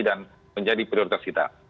dan menjadi prioritas kita